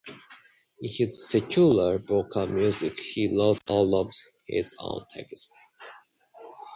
In his secular vocal music he wrote all of his own texts.